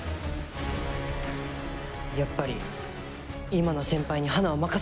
やっぱり今の先輩に花を任せられません！